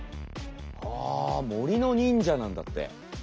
あ森の忍者なんだって。